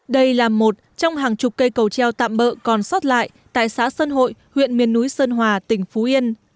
đây là một trong hàng chục cây cầu treo tạm bỡ còn sót lại tại xã sơn hội huyện miền núi sơn hòa tỉnh phú yên